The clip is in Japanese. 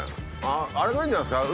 あれがいいんじゃないですか？